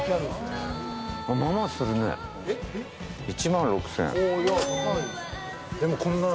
１万６，０００円。